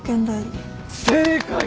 正解！